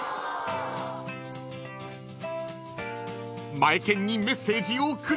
［マエケンにメッセージをくれたのは］